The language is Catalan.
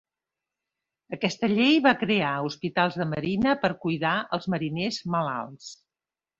Aquesta llei va crear Hospitals de Marina per cuidar els mariners malalts.